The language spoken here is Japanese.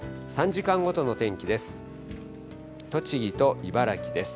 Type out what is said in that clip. ３時間ごとの天気です。